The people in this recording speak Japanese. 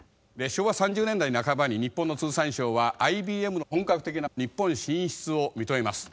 昭和３０年代半ばに日本の通産省はＩＢＭの本格的な日本進出を認めます。